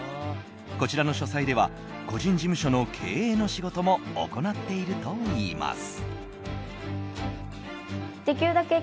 こちらの書斎では個人事務所の経営の仕事も行っているといいます。